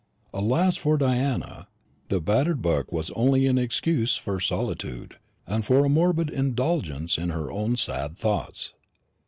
Alas for Diana, the battered book was only an excuse for solitude, and for a morbid indulgence in her own sad thoughts!